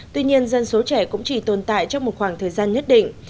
tuy nhiên dân số trẻ cũng chỉ tồn tại trong một khoảng thời gian nhất định